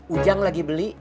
ujang lagi beli